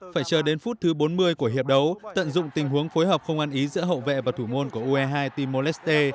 phải chờ đến phút thứ bốn mươi của hiệp đấu tận dụng tình huống phối hợp không ăn ý giữa hậu vệ và thủ môn của ue hai timor leste